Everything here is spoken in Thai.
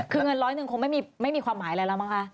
คือเงินร้อยหนึ่งคงไม่มีความหมายอะไรแล้วมั้งคะ